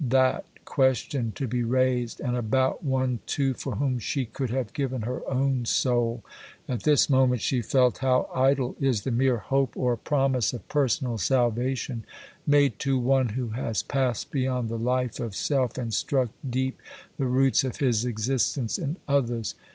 That question to be raised!—and about one, too, for whom she could have given her own soul! At this moment she felt how idle is the mere hope or promise of personal salvation made to one who has passed beyond the life of self, and struck deep the roots of his existence in others.